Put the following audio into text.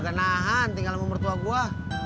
mereka kerasan tinggal sama mertua gue